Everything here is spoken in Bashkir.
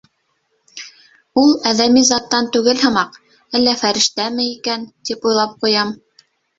Ул әҙәми заттан түгел һымаҡ, әллә фәрештәме икән, тип уйлап ҡуям.